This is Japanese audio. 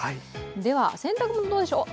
では、洗濯物どうでしょう。